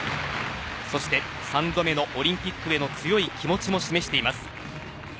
そして３度目のオリンピックへの強い気持ちも示しています。